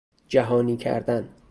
جهانی کردن